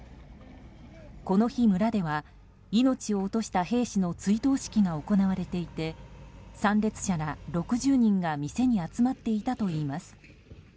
この日、村では命を落とした兵士の追悼式が行われていて参列者ら６０人が店に集まっていたといいます。